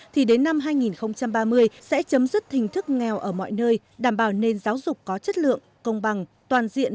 thì đến năm hai nghìn ba mươi sẽ chấm dứt hình thức nghèo ở mọi nơi đảm bảo nền giáo dục có chất lượng công bằng toàn diện